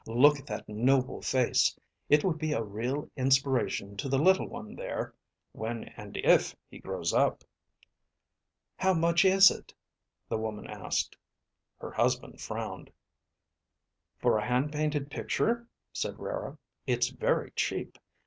Look at that noble face. It would be a real inspiration to the little one there, when and if he grows up." "How much is it?" the woman asked. Her husband frowned. "For a hand painted picture," said Rara, "it's very cheap.